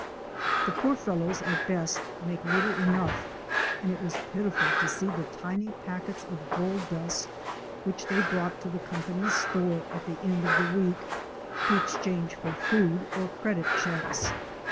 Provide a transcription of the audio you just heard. The poor fellows at best make little enough and it was pitiful to see the tiny packets of gold dust which they brought to the company's store at the end of the week to exchange for food or credit checks.